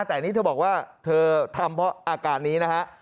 แต่อันนี้เธอบอกว่าเธอทำเพราะอาการนี้นะฮะ